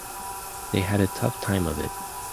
They had a tough time of it.